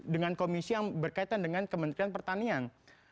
dengan komisi yang berkaitan dengan kementerian pertanian